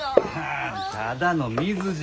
あただの水じゃ。